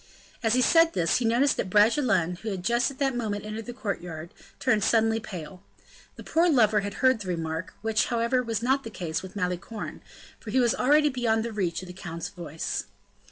As he said this, he noticed that Bragelonne, who had just at that moment entered the courtyard, turned suddenly pale. The poor lover had heard the remark, which, however, was not the case with Malicorne, for he was already beyond the reach of the count's voice.